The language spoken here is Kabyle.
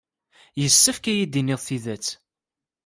Yessefk ad iyi-d-tinid tidet.